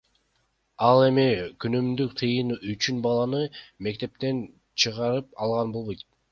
Ал эми күнүмдүк тыйын үчүн баланы мектептен чыгарып алган болбойт.